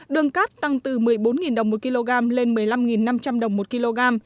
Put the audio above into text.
đường cát tăng từ một mươi bốn đồng một kg lên một mươi năm năm trăm linh đồng một kg